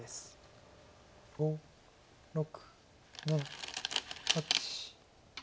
５６７８。